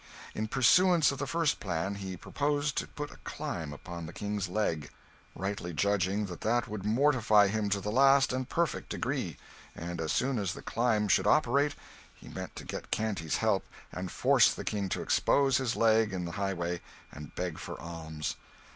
In pursuance of the first plan, he purposed to put a 'clime' upon the King's leg; rightly judging that that would mortify him to the last and perfect degree; and as soon as the clime should operate, he meant to get Canty's help, and force the King to expose his leg in the highway and beg for alms.